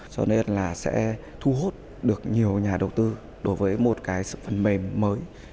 cho nên là sẽ thu hút được nhiều nhà đầu tư đối với một cái phần mềm mới